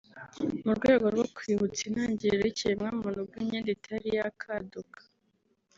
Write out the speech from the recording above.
mu rwego rwo kwiyibutsa intangiriro z’ikiremwamuntu ubwo imyenda itari yakaduka